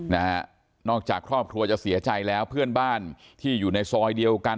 นะฮะนอกจากครอบครัวจะเสียใจแล้วเพื่อนบ้านที่อยู่ในซอยเดียวกัน